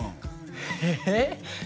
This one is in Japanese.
えっ？